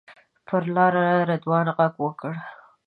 پر لاره رضوان غږ وکړ.